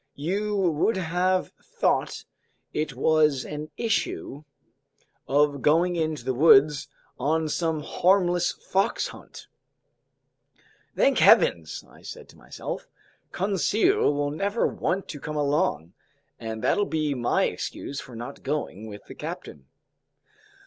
You would have thought it was an issue of going into the woods on some harmless fox hunt! "Thank heavens!" I said to myself. "Conseil will never want to come along, and that'll be my excuse for not going with the captain."